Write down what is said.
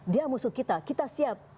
dia musuh kita kita siap